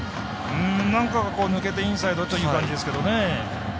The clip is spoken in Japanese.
何かが抜けてインサイドという感じですけどね。